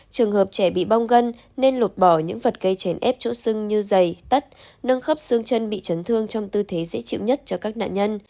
trường hợp trẻ bị bong gân nên lột bỏ những vật gây chén ép chỗ xương như giày tắt nâng khớp xương chân bị chấn thương trong tư thế dễ chịu nhất cho các nạn nhân